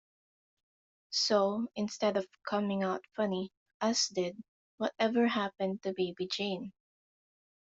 So, instead of coming out funny, as did Whatever Happened to Baby Jane?